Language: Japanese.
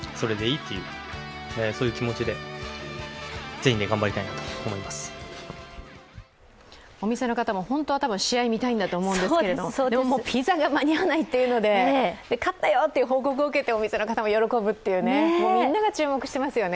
一方、準決勝に向けて大谷はお店の方も本当は多分試合を見たいんだと思うんですけれども、ピザが間に合わないというので、勝ったよという報告を受けてお店の方も喜ぶという、みんなが注目してますよね。